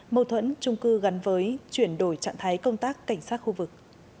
mâu thuẫn trung cư gắn với chuyển đổi trạng thái công tác cảnh sát khu vực